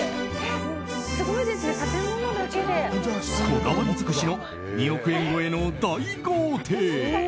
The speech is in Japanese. こだわり尽くしの２億円超えの大豪邸！